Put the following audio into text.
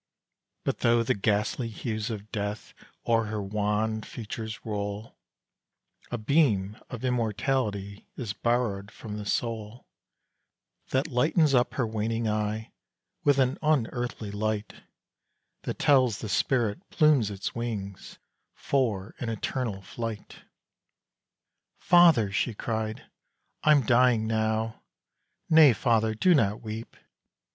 But though the ghastly hues of death O'er her wan features roll, A beam of immortality Is borrowed from the soul, That lightens up her waning eye With an unearthly light, That tells the spirit plumes its wings For an eternal flight. "Father," she cried, "I'm dying now; Nay, father! do not weep!